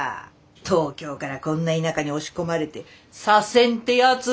東京からこんな田舎に押し込まれて左遷てやつだろ？